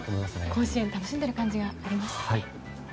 甲子園、楽しんでいる感じがありましたね。